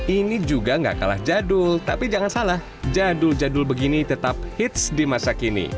ini juga gak kalah jadul tapi jangan salah jadul jadul begini tetap hits di masa kini